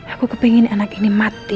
aku kepingin anak ini mati